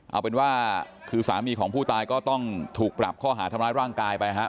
เอาเป็นว่าคือสามีของผู้ตายก็ต้องถูกปรับข้อหาทำร้ายร่างกายไปครับ